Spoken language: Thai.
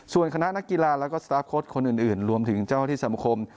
ส่วนคณะนักกีฬาแล้วก็สตาร์ฟโค้ดคนอื่นรวมถึงเจ้าที่สมคม